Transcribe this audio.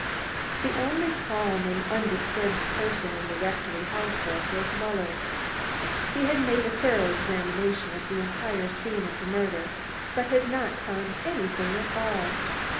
The only calm and undisturbed person in the rectory household was Muller. He had made a thorough examination of the entire scene of the murder, but had not found anything at all.